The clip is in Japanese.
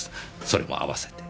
それも合わせて。